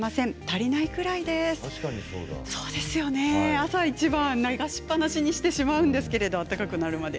朝一番、流しっぱなしにしてしまうんですけど温かくなるまで。